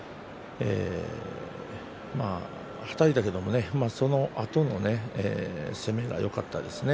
あたりにいきましたけれどもそのあとの攻めがよかったです。